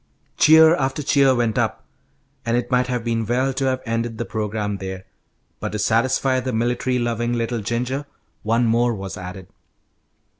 Cheer after cheer went up, and it might have been well to have ended the programme there, but to satisfy the military loving little Ginger, one more was added.